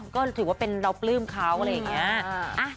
ก็ถือว่าเป็นเราปลื้มเขาอะไรอย่างนี้